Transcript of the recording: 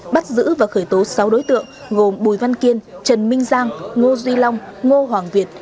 bắt giữ và khởi tố sáu đối tượng gồm bùi văn kiên trần minh giang ngô duy long ngô hoàng việt